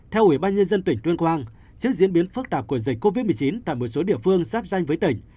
theo ủy ban nhân dân tỉnh tuyên quang trước diễn biến phức tạp của dịch covid một mươi chín tại một số địa phương sắp danh với tỉnh